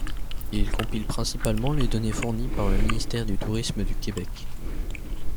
Il compile principalement les données fournies par le ministère du Tourisme du Québec.